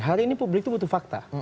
hari ini publik itu butuh fakta